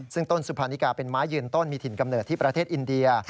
ซึ่งต้นสุภานิกาเป็นไม้ยืนต้นมีถิ่นกำเนิดที่ประเทศอินเดีย